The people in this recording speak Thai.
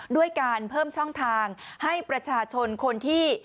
ด้วยการเพิ่มช่องทางให้ประชาชนคนที่